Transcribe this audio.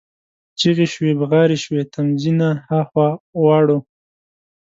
چیغي شوې، بغارې شوې: تمځي نه ها خوا غواړو،